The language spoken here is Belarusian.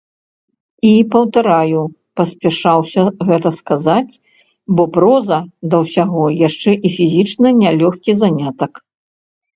І, паўтараю, паспяшаўся гэта сказаць, бо проза, да ўсяго, яшчэ і фізічна нялёгкі занятак.